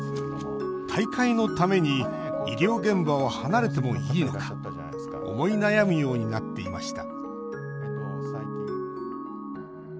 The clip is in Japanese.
大会のために医療現場を離れてもいいのか思い悩むようになっていました